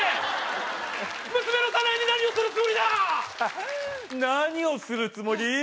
娘のサナエに何をするつもりだ！？何をするつもり？